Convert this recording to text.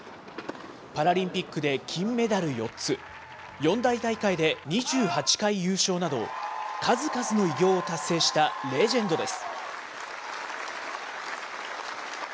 パラリンピックで金メダル４つ、四大大会で２８回優勝など、数々の偉業を達成したレジェンドです。